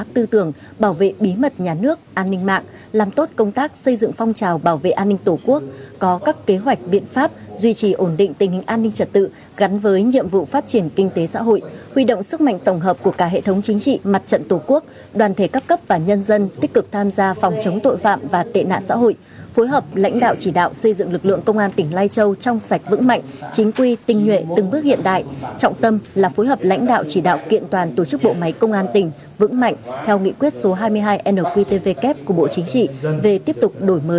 trào bảo vệ an ninh tổ quốc có các kế hoạch biện pháp duy trì ổn định tình hình an ninh trật tự gắn với nhiệm vụ phát triển kinh tế xã hội huy động sức mạnh tổng hợp của cả hệ thống chính trị mặt trận tổ quốc đoàn thể cấp cấp và nhân dân tích cực tham gia phòng chống tội phạm và tệ nạn xã hội phối hợp lãnh đạo chỉ đạo xây dựng lực lượng công an tỉnh lai châu trong sạch vững mạnh chính quy tinh nhuệ từng bước hiện đại trọng tâm là phối hợp lãnh đạo chỉ đạo kiện toàn tổ chức bộ